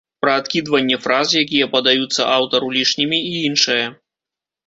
Пра адкідванне фраз, якія падаюцца аўтару лішнімі і іншае.